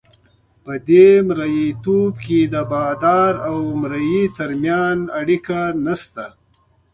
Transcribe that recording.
په دې مرییتوب کې د بادار او مریي ترمنځ اړیکه نشته.